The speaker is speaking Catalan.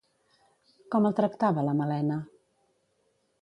Com el tractava la Malena?